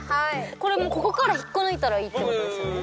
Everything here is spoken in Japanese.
これここから引っこ抜いたらいいって事ですよね？